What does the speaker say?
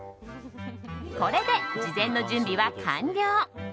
これで事前の準備は完了。